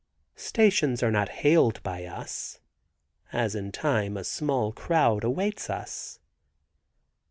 Stations are not hailed by us (as in time a small crowd awaits us).